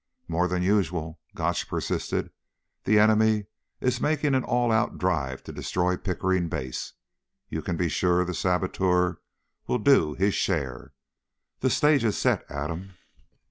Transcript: "More than usual," Gotch persisted. "The enemy is making an all out drive to destroy Pickering Base. You can be sure the saboteur will do his share. The stage is set, Adam."